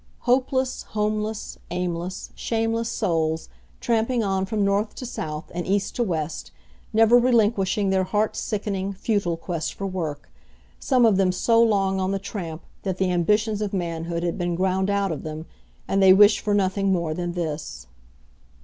Hopeless, homeless, aimless, shameless souls, tramping on from north to south, and east to west, never relinquishing their heart sickening, futile quest for work some of them so long on the tramp that the ambitions of manhood had been ground out of them, and they wished for nothing more than this.